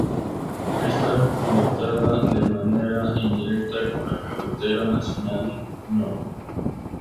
Está conectada de manera indirecta con la carretera nacional No.